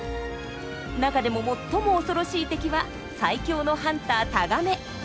中でも最も恐ろしい敵は最強のハンター・タガメ。